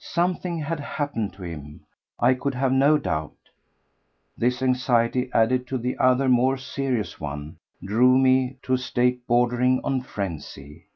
Something had happened to him, I could have no doubt. This anxiety, added to the other more serious one, drove me to a state bordering on frenzy.